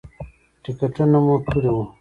ټکټونه مو کړي وو.